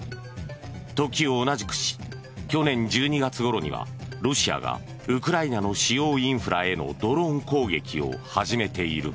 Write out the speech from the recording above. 時を同じくし去年１２月ごろにはロシアがウクライナの主要インフラへのドローン攻撃を始めている。